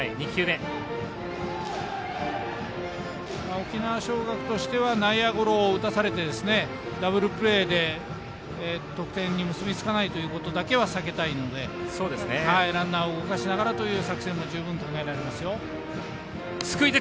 沖縄尚学としては内野ゴロを打たされてダブルプレーで得点に結びつかないということだけは避けたいので、ランナーを動かしながらという作戦は十分考えられます。